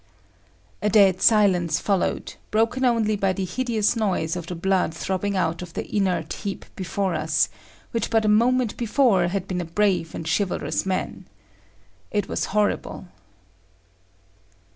A dead silence followed, broken only by the hideous noise of the blood throbbing out of the inert heap before us, which but a moment before had been a brave and chivalrous man. It was horrible.